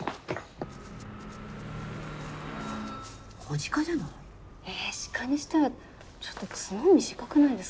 子鹿じゃない？え鹿にしてはちょっと角が短くないですか？